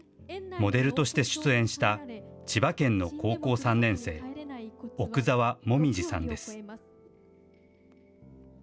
モデルとして出演した、千葉県の高校３年生、奥澤紅葉さんです。